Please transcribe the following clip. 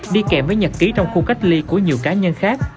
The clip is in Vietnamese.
đi kèm với nhật ký trong khu cách ly của nhiều cá nhân khác